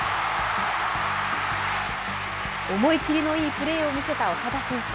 思いきりのいいプレーを見せた長田選手。